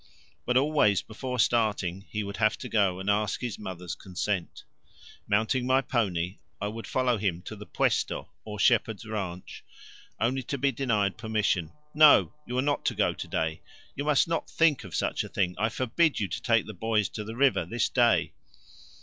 but always before starting he would have to go and ask his mother's consent. Mounting my pony I would follow him to the puesto or shepherd's ranche, only to be denied permission: "No, you are not to go to day: you must not think of such a thing. I forbid you to take the boys to the river this day!"